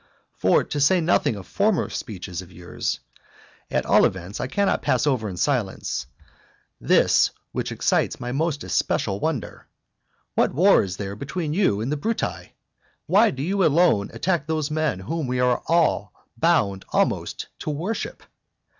II. For to say nothing of former speeches of yours, at all events I cannot pass over in silence this which excites my most especial wonder. What war is there between you and the Bruti? Why do you alone attack those men whom we are all bound almost to worship?